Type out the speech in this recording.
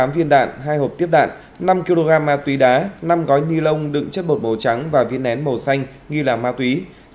tám viên đạn hai hộp tiếp đạn năm kg ma túy đá năm gói ni lông đựng chất bột màu trắng và viên nén màu xanh nghi là ma túy